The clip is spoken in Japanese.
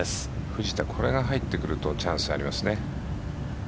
藤田、これが入ってくるとチャンスありますね。